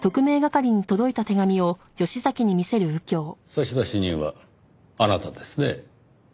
差出人はあなたですね？